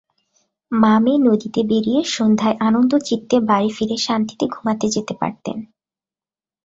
মা-মেয়ে নদীতে বেড়িয়ে সন্ধ্যায় আনন্দচিত্তে বাড়ি ফিরে শান্তিতে ঘুমাতে যেতে পারতেন।